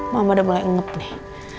mama udah mulai inget deh